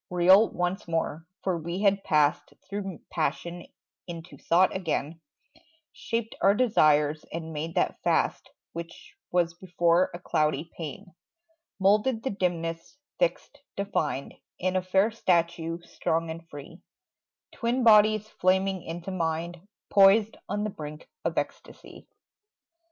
Real once more: for we had passed Through passion into thought again; Shaped our desires and made that fast Which was before a cloudy pain; Moulded the dimness, fixed, defined In a fair statue, strong and free, Twin bodies flaming into mind, Poised on the brink of ecstasy.